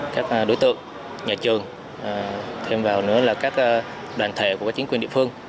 các đối tượng nhà trường thêm vào nữa là các đoàn thể của chính quyền địa phương